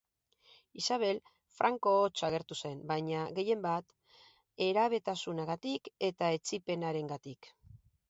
Ixabel franko hotz agertu zen, baina gehien bat herabetasunarengatik eta etsipenarengatik.